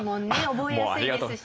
覚えやすいですしね。